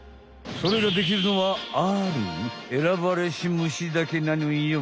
それができるのはある「選ばれし虫」だけなのよ。